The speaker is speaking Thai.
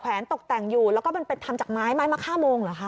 ตกแต่งอยู่แล้วก็มันเป็นทำจากไม้ไม้มะค่าโมงเหรอคะ